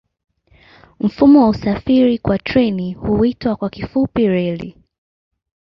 Mfumo wa usafiri kwa treni huitwa kwa kifupi reli.